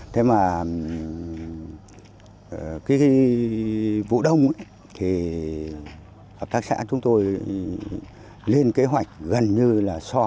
thế mà cái vụ đông thì hợp tác xã chúng tôi lên kế hoạch gần như là so với các loại hoa cây cảnh